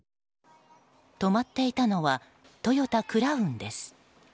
止まっていたのはトヨタ・クラウンです。